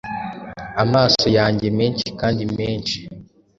Amaso yanjye, menshi kandi menshi,